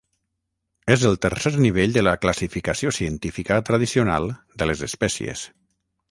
És el tercer nivell de la classificació científica tradicional de les espècies.